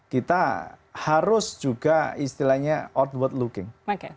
kita harus juga istilahnya outward looking